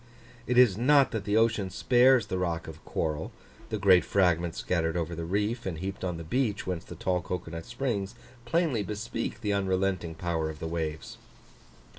It is not that the ocean spares the rock of coral; the great fragments scattered over the reef, and heaped on the beach, whence the tall cocoa nut springs, plainly bespeak the unrelenting power of the waves.